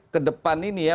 kedepan ini ya